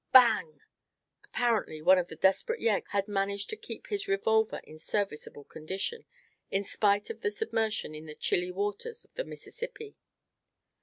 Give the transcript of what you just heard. "Bang!" Apparently one of the desperate yeggs had managed to keep his revolver in serviceable condition, in spite of his submersion in the chilly waters of the Mississippi.